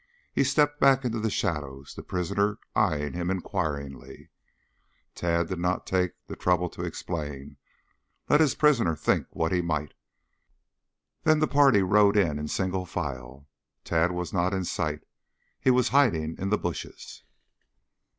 He stepped back into the shadows, the prisoner eyeing him inquiringly. Tad did not take the trouble to explain. Let the prisoner think what he might. Then the party rode in in single file. Tad was not in sight. He was hiding in the bushes.